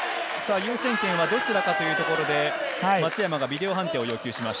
優先権はどちらかというところで、松山がビデオ判定を要求しました。